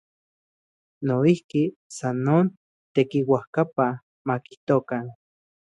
Noijki, san non, tekiuajkapa makijtokan.